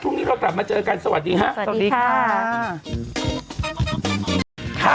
ทุ่งนี้ก็กลับมาเจอกันสวัสดีค่ะ